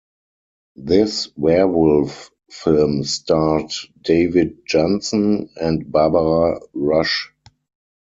This werewolf film starred David Janssen and Barbara Rush.